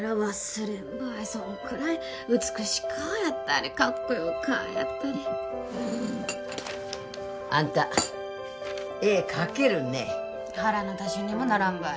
そんくらい美しかぁやったりかっこよかぁやったりあんた絵描けるね腹の足しにもならんばい